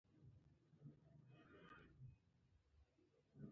که ګاونډي سره اختلاف وي، صلح غوره ده